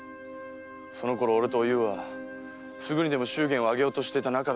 そのころ俺とおゆうはすぐにでも祝言を挙げようとしていた仲だったんだ。